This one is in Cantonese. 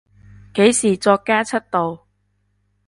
幾時作家出道？